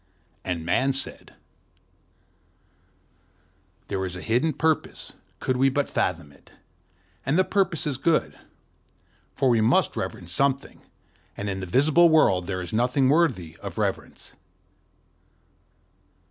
And Man said: 'There is a hidden purpose, could we but fathom it, and the purpose is good; for we must reverence something, and in the visible world there is nothing worthy of reverence.